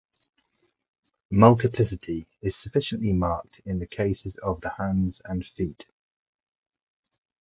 Multiplicity is sufficiently marked in the cases of the hands and feet.